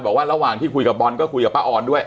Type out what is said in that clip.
ระหว่างที่คุยกับบอลก็คุยกับป้าออนด้วย